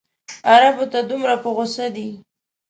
عربو ته دومره په غوسه دی.